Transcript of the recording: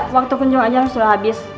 waktu kunjung aja harusnya udah habis